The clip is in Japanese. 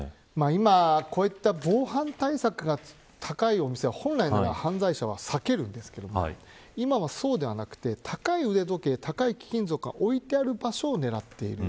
今、こういった防犯対策の高いお店は本来、犯罪者は避けるのですが今はそうではなく高い腕時計や高い貴金属が置いてある場所を狙っています。